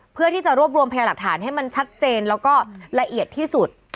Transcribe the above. เพื่อที่จะรวบรวมพยาหลักฐานให้มันชัดเจนแล้วก็ละเอียดที่สุด